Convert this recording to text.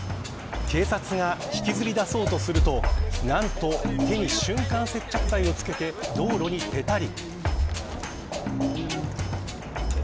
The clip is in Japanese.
警察が引きずり出そうとすると、何と手に瞬間接着剤を付けて道路にぺたり。